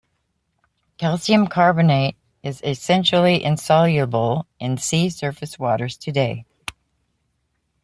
Calcium carbonate is essentially insoluble in sea surface waters today.